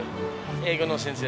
英語の先生。